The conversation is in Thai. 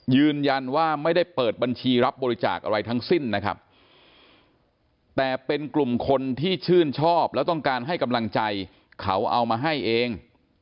ยืนยันว่าไม่ได้เปิดบัญชีรับบริจาคอะไรทั้งสิ้นนะครับแต่เป็นกลุ่มคนที่ชื่นชอบแล้วต้องการให้กำลังใจเขาเอามาให้เอง